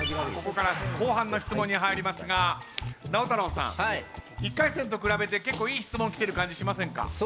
ここから後半の質問に入りますが直太朗さん１回戦と比べて結構いい質問きてる感じしませんか？